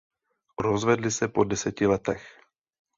Rozvedli se po deseti letech.